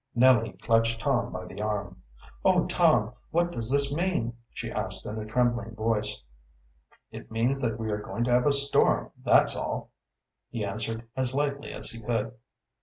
Nellie clutched Tom by the arm. "Oh, Tom, what does this mean?" she asked in a trembling voice. "It means that we are going to have a storm, that's all," he answered as lightly as he could.